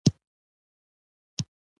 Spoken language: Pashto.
راخلاصولى خو يې بيخي نشم